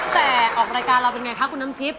ออกรายการเราเป็นไงคะคุณน้ำทิพย